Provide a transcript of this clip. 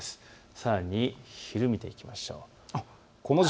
さらに昼を見ていきましょう。